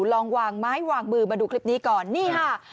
ลองวางไม้วางมือมาดูคลิปนี้ก่อนนี่ค่ะ